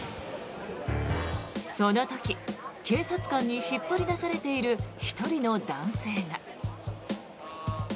その時警察官に引っ張り出されている１人の男性が。